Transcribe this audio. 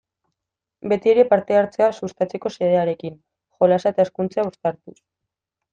Beti ere parte-hartzea sustatzeko xedearekin, jolasa eta hezkuntza uztartuz.